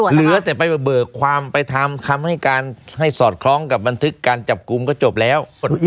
เหลือแต่ไปเบิกความไปทำคำให้การให้สอดคล้องกับบันทึกการจับกลุ่มก็จบแล้ว